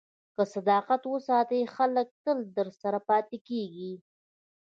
که صداقت وساتې، خلک تل درسره پاتې کېږي.